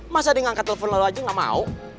masa dia gak angkat telfon lo aja gak mau